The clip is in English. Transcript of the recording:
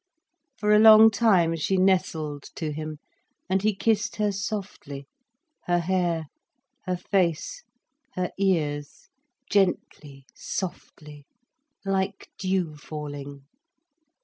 For a long time she nestled to him, and he kissed her softly, her hair, her face, her ears, gently, softly, like dew falling.